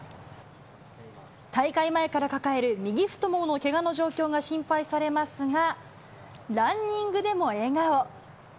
大会前から抱える右太もものけがの状況が心配されますが、ランニングでも笑顔。